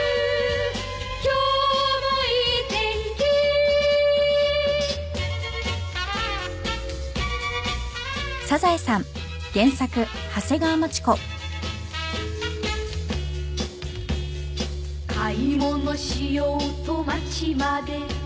「今日もいい天気」「買い物しようと街まで」